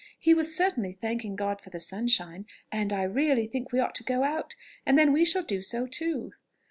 He was certainly thanking God for the sunshine; and I really think we ought to go out, and then we shall do so too."